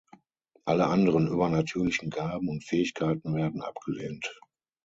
Alle anderen übernatürlichen Gaben und Fähigkeiten werden abgelehnt.